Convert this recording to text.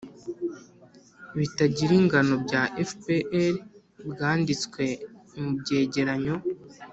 bitagira ingano bya fpr bwanditswe mu byegeranyo